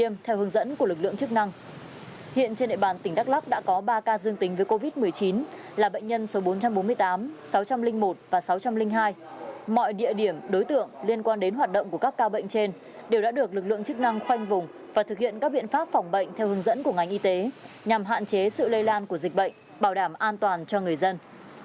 mọi địa điểm đối tượng liên quan đến hoạt động của các ca bệnh trên đều đã được lực lượng chức năng khoanh vùng và thực hiện các biện pháp phòng bệnh theo hướng dẫn của ngành y tế nhằm hạn chế sự lây lan của dịch bệnh bảo đảm an toàn cho người dân